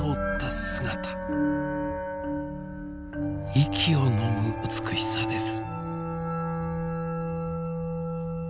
息をのむ美しさです。